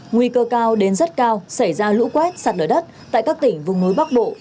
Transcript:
nguy cơ cao đến rất cao xảy ra lũ quét sạt lở đất tại các tỉnh vùng núi bắc bộ